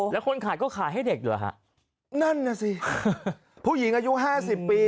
แล้วคนขายก็ขายให้เด็กเหรอฮะนั่นน่ะสิผู้หญิงอายุห้าสิบปี